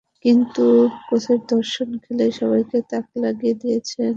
কিন্তু কোচের দর্শনে খেলেই সবাইকে তাক লাগিয়ে দিয়েছেন ওয়েইন রুনি-আর ড্যানি ওয়েলব্যাকরা।